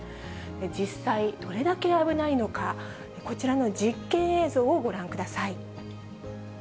実際、どれだけ危ないのか、こちらの実験映像をご覧ください。